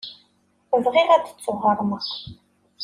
Bɣiɣ ad d-ttuɣermeɣ.